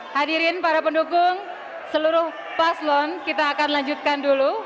hadirin para pendukung seluruh paslon kita akan lanjutkan dulu